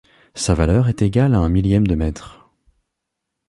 Sa valeur est égale à un millième de mètre.